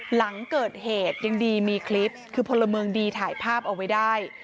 หลังเกิดเหตุยังดีมีคลิปคือพลเมืองดีถ่ายภาพเอาไว้ได้